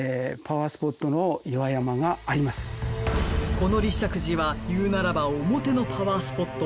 この立石寺はいうならば表のパワースポット。